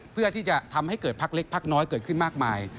เพื่อที่จะทำให้เกิดพักเล็กพักน้อยเกิดขึ้นมากมาย